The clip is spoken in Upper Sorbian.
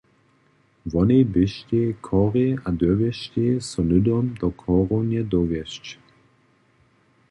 Wonej běštej chorej a dyrbještej so hnydom do chorownje dowjezć.